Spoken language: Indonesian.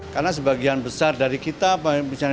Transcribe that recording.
karena sebagian besar dari kita